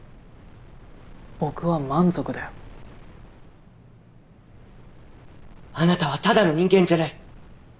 僕は満足だよ。あなたはただの人間じゃない。